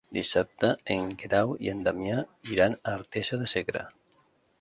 Dissabte en Guerau i en Damià iran a Artesa de Segre.